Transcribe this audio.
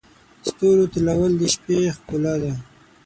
د ستورو تلؤل د شپې ښکلا ده.